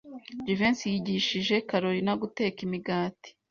Jivency yigishije Kalorina guteka imigati.